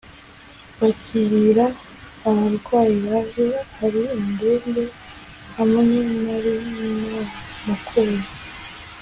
bakirira abarwayi baje ari indembe hamwe nari namukuye